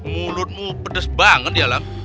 mulutmu pedes banget ya lam